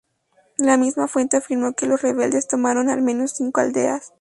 La misma fuente afirmó que los rebeldes tomaron al menos cinco aldeas.